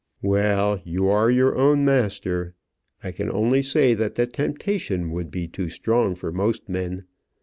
"Well, you are your own master: I can only say that the temptation would be too strong for most men.